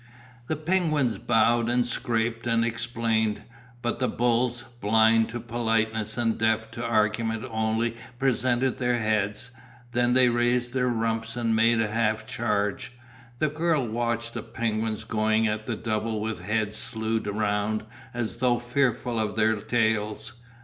The penguins bowed and scraped and explained, but the bulls, blind to politeness and deaf to argument only presented their heads, then they raised their rumps and made a half charge. The girl watched the penguins going at the double with heads slewed round as though fearful of their tails.